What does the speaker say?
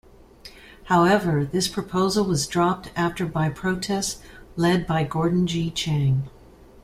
However, this proposal was dropped after by protests led by Gordon G. Chang.